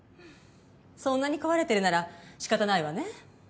そんなに壊れてるなら仕方ないわね。